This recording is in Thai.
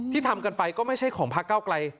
ทำกันไปก็ไม่ใช่ของพระเก้าไกล